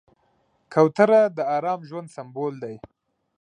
کوتره د ارام ژوند سمبول دی.